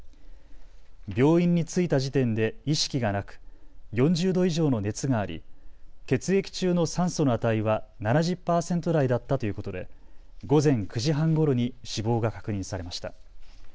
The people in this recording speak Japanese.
病院に着いた時点で意識がなく４０度以上の熱があり血液中の酸素の値は７０％台だったということで午前９時半ごろに死亡が確認されました。